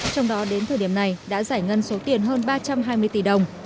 trong đó đến thời điểm này đã giải ngân số tiền hơn ba trăm hai mươi tỷ đồng